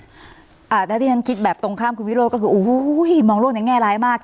ถ้าที่ฉันคิดแบบตรงข้ามคุณวิโรธก็คือโอ้โหมองโลกในแง่ร้ายมาก